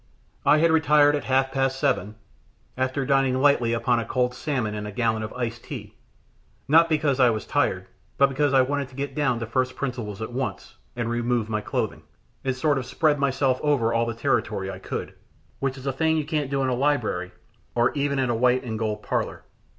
I had retired at half past seven, after dining lightly upon a cold salmon and a gallon of iced tea not because I was tired, but because I wanted to get down to first principles at once, and remove my clothing, and sort of spread myself over all the territory I could, which is a thing you can't do in a library, or even in a white and gold parlor.